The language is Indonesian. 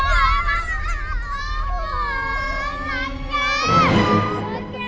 orang garuk garuk kepala